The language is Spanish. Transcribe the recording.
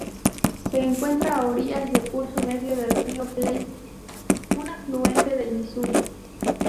Se encuentra a orillas del curso medio del río Platte, un afluente del Misuri.